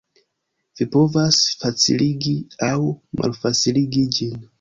Vi povas faciligi aŭ malfaciligi ĝin.